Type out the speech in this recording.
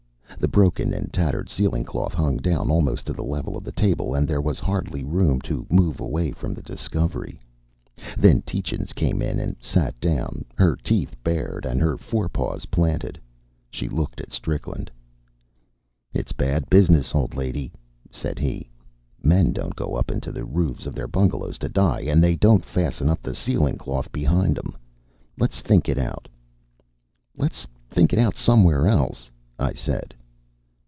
The broken and tattered ceiling cloth hung down almost to the level of the table, and there was hardly room to move away from the discovery. Then Tietjens came in and sat down, her teeth bared and her forepaws planted. She looked at Strickland. "It's bad business, old lady," said he. "Men don't go up into the roofs of their bungalows to die, and they don't fasten up the ceiling cloth behind 'em. Let's think it out." "Let's think it out somewhere else," I said.